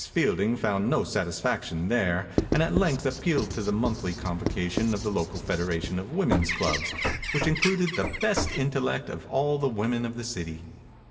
Fielding found no satisfaction there and at length appealed to the monthly convo cation of the local federation of Women's clubs, which included the best intellect of all the women of the city.